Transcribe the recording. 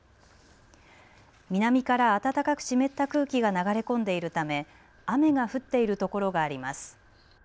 南から暖かく湿った空気が流れ込んでいるため雨が降っている所があります。